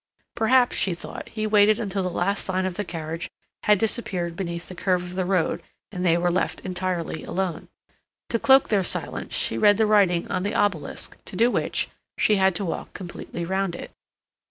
Perhaps, she thought, he waited until the last sign of the carriage had disappeared beneath the curve of the road and they were left entirely alone. To cloak their silence she read the writing on the obelisk, to do which she had to walk completely round it.